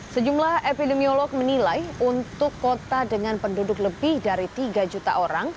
sejumlah epidemiolog menilai untuk kota dengan penduduk lebih dari tiga juta orang